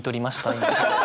今。